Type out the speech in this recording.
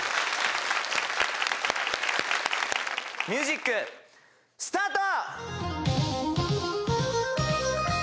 ミュージックスタート！